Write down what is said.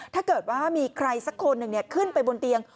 ถ้าเกิดว่ามีใครสักคนหนึ่งขึ้นไปบนเตียง